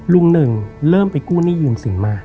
หนึ่งเริ่มไปกู้หนี้ยืมสินมา